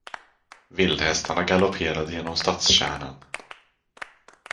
Vildhästarna galopperade genom stadskärnan.